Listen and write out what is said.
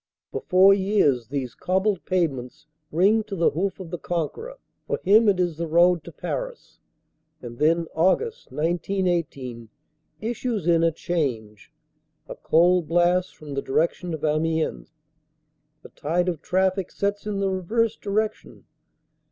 For four years these cobbled pavements ring to the hoof of the conqueror; for him it is the Road to Paris. And then August, 1918, issues in a change, a cold blast from the direc tion of Amiens. The tide of traffic sets in the reverse direc tion.